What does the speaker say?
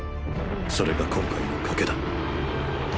それが今回の賭けだ。